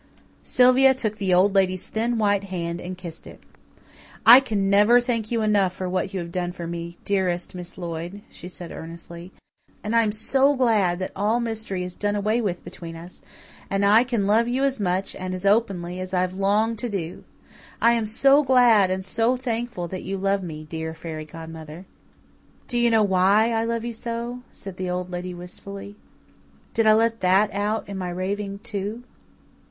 Sylvia took the Old Lady's thin white hand and kissed it. "I can never thank you enough for what you have done for me, dearest Miss Lloyd," she said earnestly. "And I am so glad that all mystery is done away with between us, and I can love you as much and as openly as I have longed to do. I am so glad and so thankful that you love me, dear fairy godmother." "Do you know WHY I love you so?" said the Old Lady wistfully. "Did I let THAT out in my raving, too?"